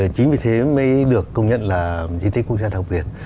chính vì thế mới được công nhận là di tích quốc gia đặc biệt